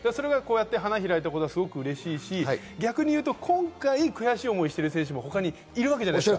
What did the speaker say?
花開いたことはうれしいし、逆にいうと、今回悔しい思いをしている選手はいるわけじゃないですか。